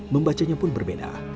membacanya pun berbeda